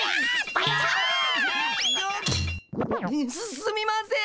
すすみません！